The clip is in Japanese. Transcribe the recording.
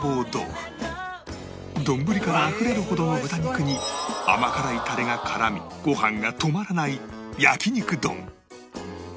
丼からあふれるほどの豚肉に甘辛いタレが絡みご飯が止まらない焼肉丼